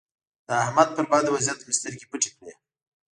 د احمد پر بد وضيعت مې سترګې پټې کړې.